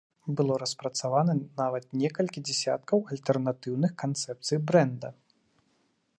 Было распрацавана нават некалькі дзясяткаў альтэрнатыўных канцэпцый брэнда.